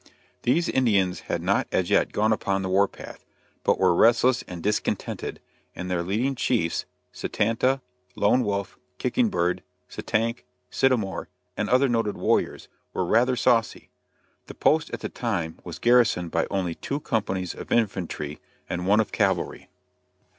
These Indians had not as yet gone upon the war path, but were restless and discontented, and their leading chiefs, Satanta, Lone Wolf, Kicking Bird, Satank, Sittamore, and other noted warriors, were rather saucy. The post at the time was garrisoned by only two companies of infantry and one of cavalry.